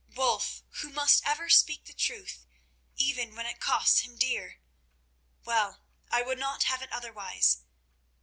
"Wulf, who must ever speak the truth, even when it costs him dear. Well, I would not have it otherwise.